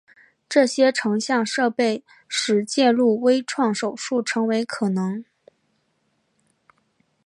这些成像设备使介入微创手术成为可能。